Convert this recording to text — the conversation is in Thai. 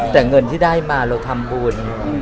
แต่เงินที่ได้มาเราทำบุญ